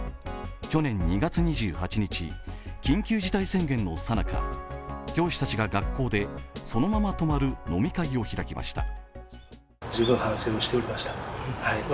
去年２月２８日、緊急事態宣言のさなか、教師たちが学校でそのまま泊まる飲み会を開きました。